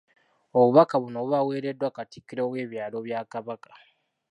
Obubaka buno bubaweereddwa Katikkiro w’ebyalo bya Kabaka.